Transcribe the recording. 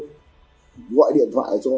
gọi điện thoại cho bà lợi thì máy vẫn đổ chuông